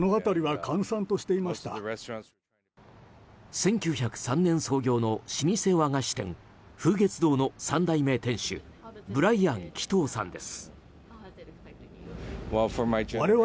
１９０３年創業の老舗和菓子店風月堂の３代目店主ブライアン・キトウさんです。